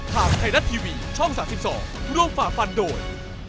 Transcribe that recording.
ทางไทยรัฐทีวีช่อง๓๒ร่วมฝ่าฟันโดย